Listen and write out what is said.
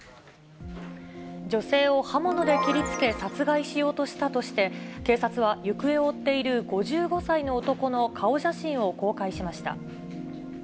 女性を刃物で切りつけ、殺害しようとしたとして、警察は行方を追っている５５歳の男の顔写真を公開しました。